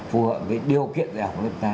phù hợp với điều kiện dạy học của lớp người ta